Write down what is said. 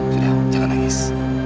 sudah jangan nangis